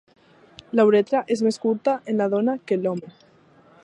La uretra és més curta en la dona que en l'home.